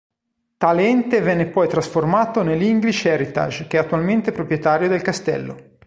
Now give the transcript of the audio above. Tale ente venne poi trasformato nell'English Heritage, che è l'attuale proprietario del castello.